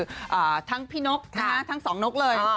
กับทั้งพี่นกทั้งสองนกเลย